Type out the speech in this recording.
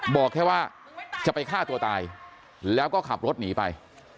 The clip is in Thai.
บอกแค่ว่าจะไปฆ่าตัวตายแล้วก็ขับรถหนีไป